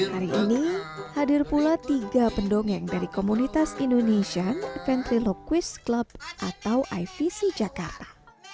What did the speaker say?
hari ini hadir pula tiga pendongeng dari komunitas indonesian adventure loquist club atau ivc jakarta